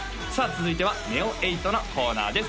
続いてはＮＥＯ８のコーナーです